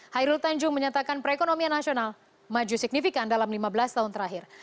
hairul tanjung menyatakan perekonomian nasional maju signifikan dalam lima belas tahun terakhir